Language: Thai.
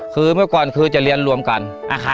คือเมื่อก่อนคือจะเรียนรวมกัน